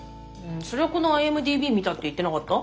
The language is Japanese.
それはこのＩＭＤｂ見たって言ってなかった？